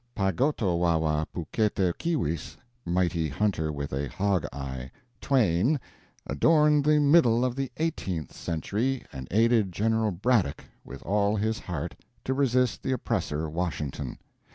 PAH GO TO WAH WAH PUKKETEKEEWIS (Mighty Hunter with a Hog Eye) TWAIN adorned the middle of the eighteenth century, and aided Gen. Braddock with all his heart to resist the oppressor Washington.